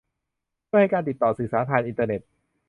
เพื่อให้การติดต่อสื่อสารผ่านอินเทอร์เน็ต